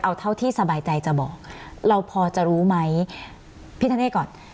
เอาเท่าที่สบายใจจะบอกเราพอจะรู้ไหมพี่ธเนธก่อน